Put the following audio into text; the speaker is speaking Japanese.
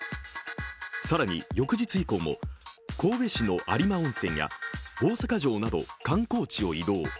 更に、翌日以降も神戸市の有馬温泉や大阪城など観光地を移動。